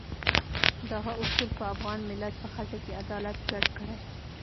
دغه اصول په افغان ملت په خټه کې عدالت ګډ کړی.